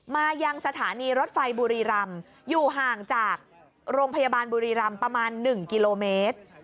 มายังสถานีรถไฟบุรีรำอยู่ห่างจากโรงพยาบาลบุรีรำประมาณ๑กิโลเมตร